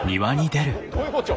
どういうこっちゃ？